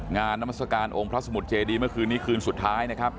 นามัศกาลองค์พระสมุทรเจดีเมื่อคืนนี้คืนสุดท้ายนะครับ